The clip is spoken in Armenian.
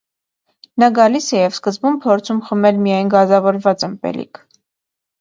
Նա գալիս է և սկզբում փորձում խմել միայն գազավորված ըմպելիք։